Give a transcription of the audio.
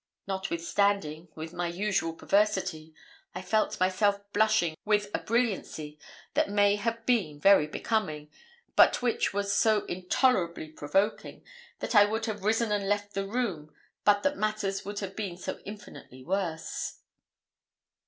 Notwithstanding, with my usual perversity, I felt myself blushing with a brilliancy that may have been very becoming, but which was so intolerably provoking that I would have risen and left the room but that matters would have been so infinitely worse.